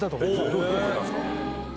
どう変えたんですか？